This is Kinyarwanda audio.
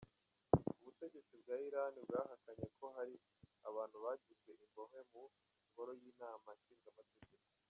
Ubutegetsi bwa Irani bwahakanye ko hari abantu bagizwe imbohe mu ngoro y'inama nshingamateka.